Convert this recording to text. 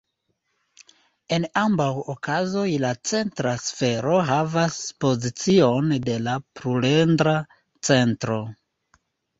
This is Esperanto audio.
En ambaŭ okazoj la centra sfero havas pozicion de la pluredra centro.